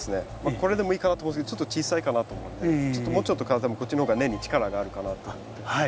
これでもいいかなと思うんですけどちょっと小さいかなと思うんでちょっともうちょっとこっちの方が根に力があるかなと思って。